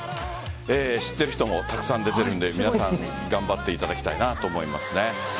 知ってる人もたくさん出てるんで皆さん頑張っていただきたいと思いますね。